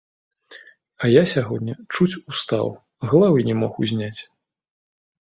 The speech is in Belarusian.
А я сягоння чуць устаў, галавы не мог узняць.